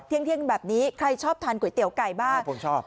เที่ยงแบบนี้ใครชอบทานก๋วยเตี๋ยวไก่บ้าง